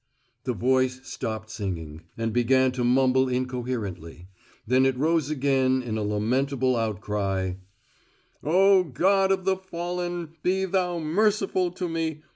The voice stopped singing, and began to mumble incoherently; then it rose again in a lamentable outcry: "Oh, God of the fallen, be Thou merciful to me!